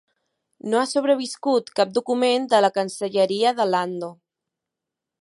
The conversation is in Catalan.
No ha sobreviscut cap document de la cancelleria de Lando.